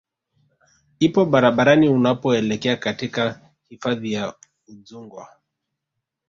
ipo barabarani unapoelekea katika hifadhi ya Udzungwa